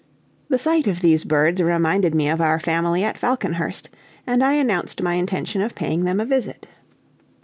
The sight of these birds reminded me of our family at Falconhurst, and I announced my intention of paying them a visit.